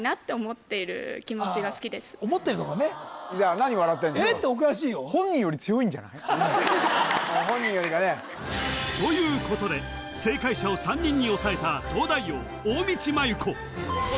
何笑ってんですか「えっ！？」ておかしいよ本人よりかねということで正解者を３人に抑えた東大王大道麻優子